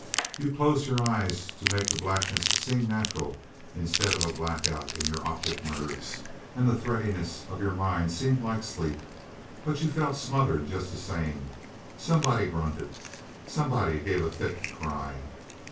You closed your eyes to make the blackness seem natural, instead of a blackout in your optic nerves, and the threadiness of your mind seem like sleep. But you felt smothered, just the same. Somebody grunted. Somebody gave a thick cry.